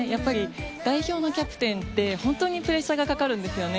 代表のキャプテンって本当にプレッシャーがかかるんですよね。